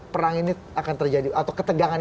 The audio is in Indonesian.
perang ini akan terjadi atau ketegangan